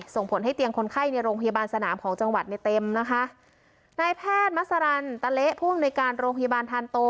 ส่งผลให้เตียงคนไข้ในโรงพยาบาลสนามของจังหวัดในเต็มนะคะนายแพทย์มัสรันตะเละผู้อำนวยการโรงพยาบาลทานโต